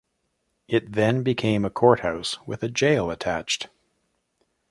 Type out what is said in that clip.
It then became a courthouse with a jail attached.